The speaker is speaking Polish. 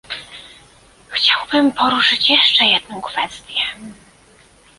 Chciałbym poruszyć jeszcze jedną kwestię